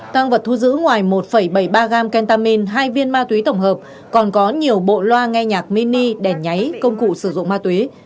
tăng vật thu giữ ngoài một bảy mươi ba gram kentamin hai viên ma túy tổng hợp còn có nhiều bộ loa nghe nhạc mini đèn nháy công cụ sử dụng ma túy